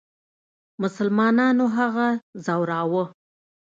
مسلمانانو هغه ځوراوه.